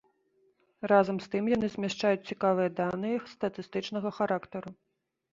Разам з тым яны змяшчаюць цікавыя даныя статыстычнага характару.